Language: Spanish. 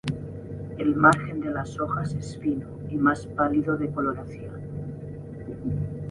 El margen de las hojas es fino y más pálido de coloración.